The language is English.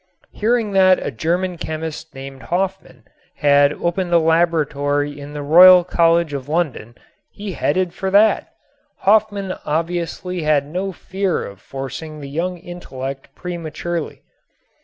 Hearing that a German chemist named Hofmann had opened a laboratory in the Royal College of London he headed for that. Hofmann obviously had no fear of forcing the young intellect prematurely.